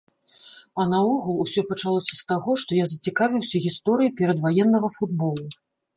А наогул усё пачалося з таго, што я зацікавіўся гісторыяй перадваеннага футболу.